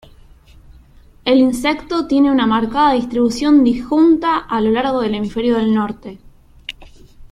El insecto tiene una marcada distribución disjunta a lo largo del hemisferio del norte.